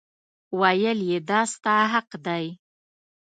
ویل یې دا ستا حق دی.